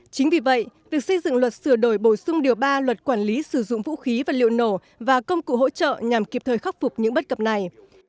chính vì vậy việc xây dựng luật sửa đổi bổ sung điều ba luật quản lý sử dụng vũ khí vật liệu nổ và công cụ hỗ trợ nhằm kịp thời khắc phục những bất cập này